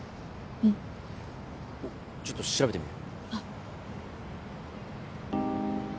うんちょっと調べてみる？